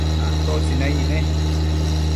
¿atoda naic ne?